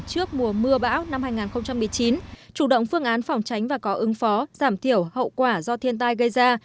trước mùa mưa bão năm hai nghìn một mươi chín chủ động phương án phòng tránh và có ứng phó giảm thiểu hậu quả do thiên tai gây ra